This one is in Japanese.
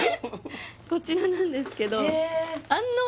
こちらなんですけどえっ